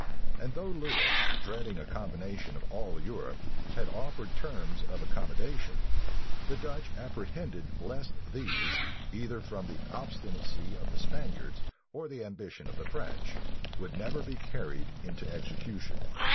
And though Lewis, dreading a combination of all Europe, had offered terms of accommodation, the Dutch apprehended lest these, either from the obstinacy of the Spaniards, or the ambition of the French, would never be carried into execution.